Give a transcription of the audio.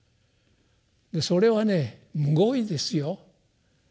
それはねむごいですよ。